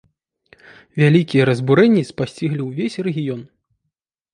Вялікія разбурэнні спасціглі ўвесь рэгіён.